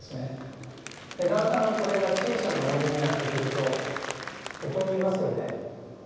だんだんこれが小さな森になってくるとここにいますよね。